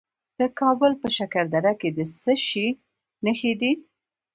د کابل په شکردره کې د څه شي نښې دي؟